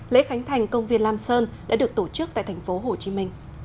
lễ khánh thành công viên lam sơn đã được tổ chức tại thành phố hồ chí minh